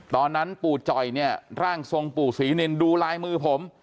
ตอนนั้นปู่จ่อยเนี่ยร่างทรงปู่ศรีนินดูลายมือผม